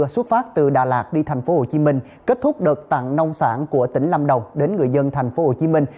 xuất phát từ đà lạt đi thành phố hồ chí minh kết thúc đợt tặng nông sản của tỉnh lâm đồng đến người dân thành phố hồ chí minh